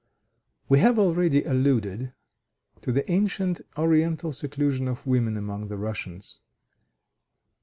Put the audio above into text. We have already alluded to the ancient Oriental seclusion of women among the Russians.